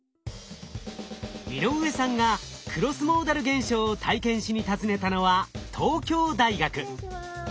井上さんがクロスモーダル現象を体験しに訪ねたのは東京大学。